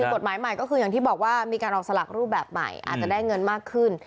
กฎหมายใหม่ก็คืออย่างที่บอกว่ามีการออกสลากรูปแบบใหม่อาจจะได้เงินมากขึ้น